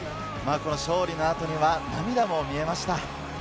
勝利の後には涙も見えました。